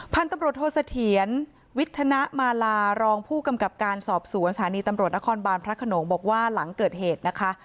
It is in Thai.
พันธุ์ตำรวจโทษเสถียรวิทนะมาลารองผู้กำกับการสอบสวนสถานีตำรวจนครบานพระขนงบอกว่าหลังเกิดเหตุนะคะ